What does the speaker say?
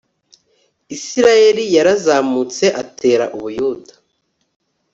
isirayeli yarazamutse atera u buyuda